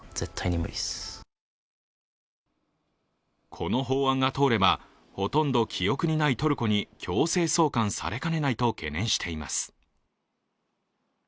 この法案が通れば、ほとんど記憶にないトルコに強制送還されかねないと懸念しています。